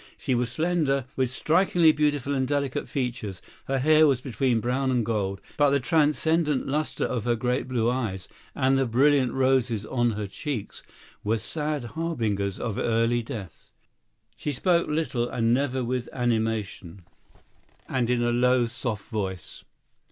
She was slender, with strikingly beautiful and delicate features; her hair was between brown and gold; but the transcendent lustre of her great blue eyes, and the brilliant roses on her cheeks, were sad harbingers of early death. She spoke little and never with animation, and in a low, soft voice.